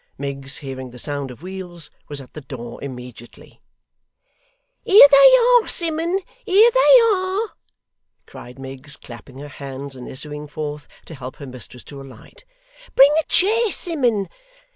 Miggs hearing the sound of wheels was at the door immediately. 'Here they are, Simmun! Here they are!' cried Miggs, clapping her hands, and issuing forth to help her mistress to alight. 'Bring a chair, Simmun.